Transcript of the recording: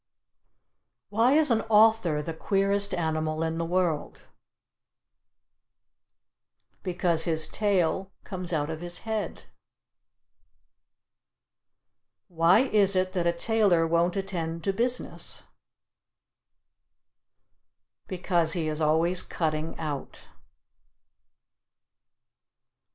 Why is an author the queerest animal in the world? Because his tale comes out of his head. Why is it that a tailor won't attend to business? Because he is always cutting out.